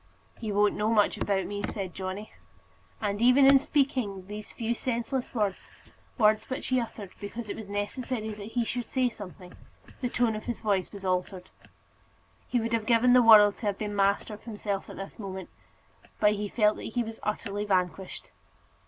"He won't know much about me," said Johnny; and even in speaking these few senseless words words which he uttered because it was necessary that he should say something the tone of his voice was altered. He would have given the world to have been master of himself at this moment, but he felt that he was utterly vanquished.